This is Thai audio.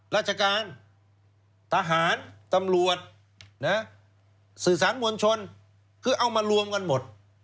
ราชการทหารตำรวจสื่อสารมวลชนคือเอามารวมกันหมด